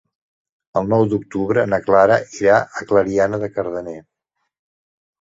El nou d'octubre na Clara irà a Clariana de Cardener.